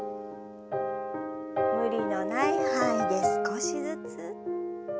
無理のない範囲で少しずつ。